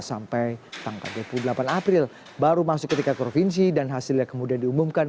sampai tanggal dua puluh delapan april baru masuk ke tingkat provinsi dan hasilnya kemudian diumumkan